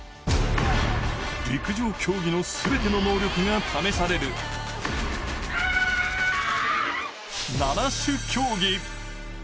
陸上競技の全ての能力が試される、七種競技。